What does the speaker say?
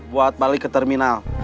buat balik ke terminal